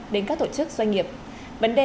đến các tổ chức doanh nghiệp vấn đề